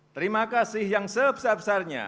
terima kasih yang sebesar besarnya